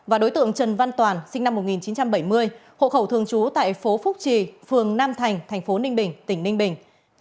và đối tượng trần văn toàn sinh năm một nghìn chín trăm bảy mươi hộ khẩu thường trú tại phố phúc trì phường nam thành thành phố ninh bình tỉnh ninh bình